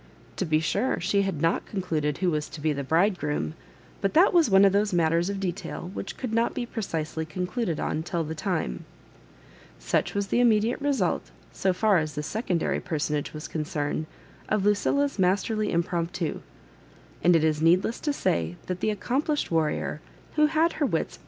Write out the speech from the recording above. To be sure, she had not concluded who was to be the bridegroom ; but that was one of those matters of detail which could not be pre cisely concluded on till the time. Such was the immediate result, so far as this seooodary personage was oonoemed, of Lucilla's Digitized by VjOOQIC 16 MISS MABJOBIBANE& masterly impromptu ; and it is needless to say that the accomplished warrior, who had her wits al.